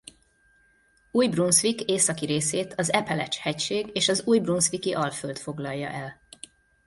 Új-Brunswick északi részét az Appalache-hegység és az Új-brunswicki-alföld foglalja el.